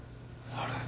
あれ？